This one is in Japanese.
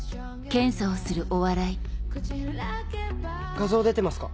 画像出てますか？